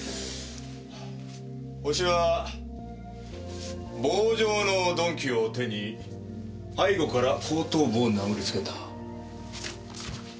ホシは棒状の鈍器を手に背後から後頭部を殴りつけた。